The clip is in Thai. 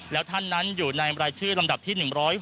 แล้วท่านนั้นอยู่ในรายชื่อลำดับที่๑๖